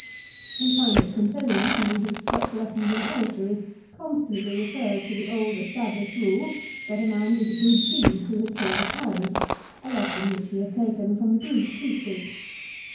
l We find that Quintilian among his stock lessons in oratory constantly refers to the old established rule that a man did a good deed who had killed a tyrant, a lesson which he had taken from the Greek teachers.